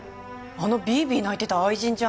あのビービー泣いてた愛人じゃん。